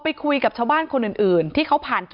ที่มีข่าวเรื่องน้องหายตัว